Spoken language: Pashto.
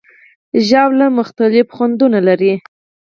ژاوله مختلف خوندونه لري.